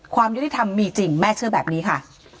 ความยุติธรรมมีจริงแม่เชื่อแบบนี้ค่ะ